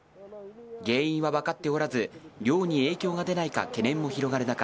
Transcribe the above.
原因は分かっておらず漁に影響が出ないか懸念も広がる中